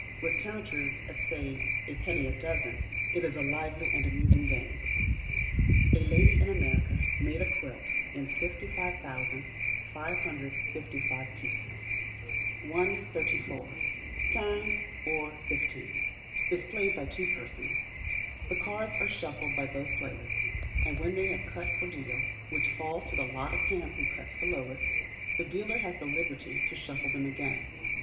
With counters at (say) a penny a dozen, it is a lively and amusing game. [A LADY IN AMERICA MADE A QUILT IN 55,555 PIECES.] 134. Quinze or Fifteen is played by two persons. The cards are shuffled by both players, and when they have cut for deal (which falls to the lot of him who cuts the lowest), the dealer has the liberty to shuffle them again.